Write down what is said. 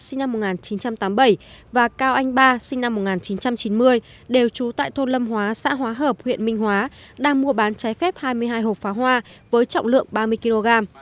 sinh năm một nghìn chín trăm tám mươi bảy và cao anh ba sinh năm một nghìn chín trăm chín mươi đều trú tại thôn lâm hóa xã hóa hợp huyện minh hóa đang mua bán trái phép hai mươi hai hộp pháo hoa với trọng lượng ba mươi kg